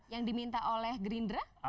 yang diminta oleh gerindra